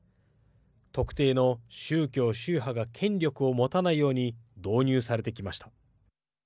特定の宗教、宗派が権力を持たないように導入されてきました。